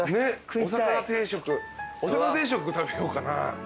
お魚定食食べようかな。